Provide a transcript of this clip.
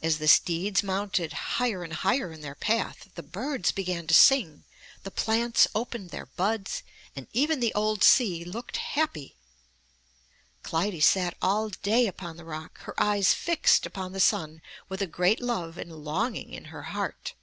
As the steeds mounted higher and higher in their path, the birds began to sing, the plants opened their buds, and even the old sea looked happy. Clytie sat all day upon the rock, her eyes fixed upon the sun with a great love and longing in her heart.